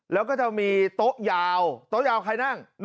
แล้วก็จะมีโต๊ะยาวโต๊ะยาวใครนั่ง